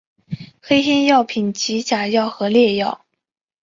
黑心药品即假药和劣药。